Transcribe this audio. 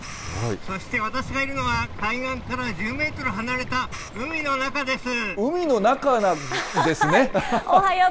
そして私がいるのは、海岸から１０メートル離れた海の中です。